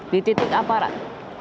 di titik aparat